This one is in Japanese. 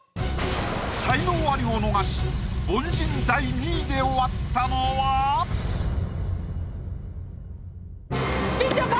才能アリを逃し凡人第２位で終わったのは⁉みちょぱ！